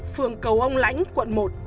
phường cầu ông lãnh quận một